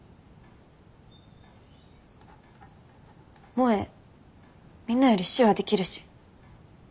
萌みんなより手話できるし。